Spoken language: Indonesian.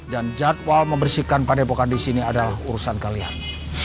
dan jadwal membersihkan padepokan di sini adalah urusan kalian